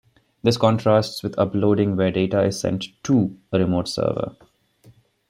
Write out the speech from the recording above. This contrasts with uploading, where data is sent "to" a remote server.